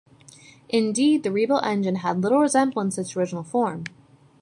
Indeed, the rebuilt engine had little resemblance to its original form.